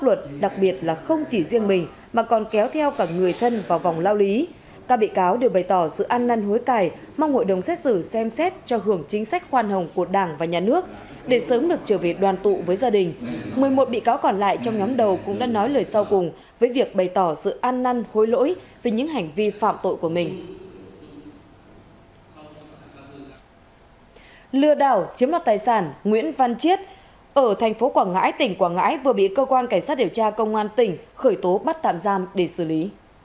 lừa đảo chiếm đoạt tài sản nguyễn văn chiết ở tp quảng ngãi tỉnh quảng ngãi vừa bị cơ quan cảnh sát điều tra công an tỉnh khởi tố bắt tạm giam để xử lý